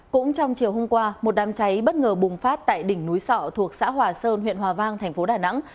cũng trong chiều hôm qua một đám cháy bất ngờ bùng phát tại đỉnh núi sọ thuộc xã hòa sơn huyện hòa vang thành phố đà nẵng